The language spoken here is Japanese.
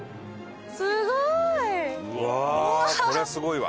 うわー！こりゃすごいわ。